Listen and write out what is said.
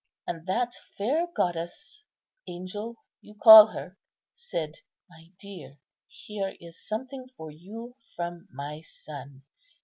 And that fair goddess (angel you call her) said, 'My dear, here is something for you from my Son.